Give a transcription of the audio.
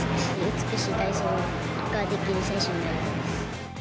美しい体操ができる選手になりたいです。